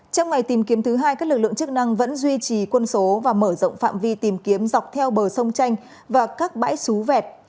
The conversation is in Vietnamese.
trong ngày tìm kiếm thứ hai các lực lượng chức năng vẫn duy trì quân số và mở rộng phạm vi tìm kiếm dọc theo bờ sông chanh và các bãi xú vẹt